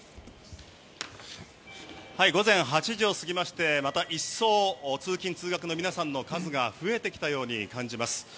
午前８時を過ぎましてまた一層通勤・通学の皆さんの数が増えてきたように感じます。